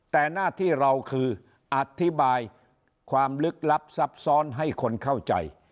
แต่หน้าที่เราคืออธิบายความลึกลับซับซ้อนให้คนเข้าใจ